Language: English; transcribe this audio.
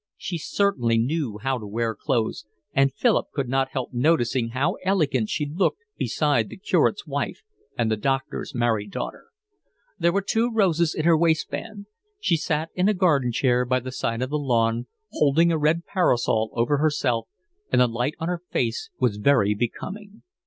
She certainly knew how to wear her clothes, and Philip could not help noticing how elegant she looked beside the curate's wife and the doctor's married daughter. There were two roses in her waistband. She sat in a garden chair by the side of the lawn, holding a red parasol over herself, and the light on her face was very becoming.